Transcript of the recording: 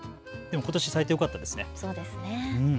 ことし咲いてよかったですね。